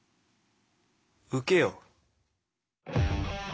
受けよう。